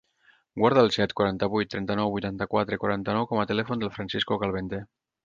Guarda el set, quaranta-vuit, trenta-nou, vuitanta-quatre, quaranta-nou com a telèfon del Francisco Calvente.